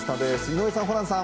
井上さん、ホランさん。